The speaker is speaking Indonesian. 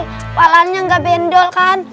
kepalaannya gak bendol kan